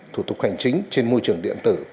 thủ tục hành chính trên môi trường điện tử